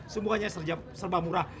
semuanya serba murah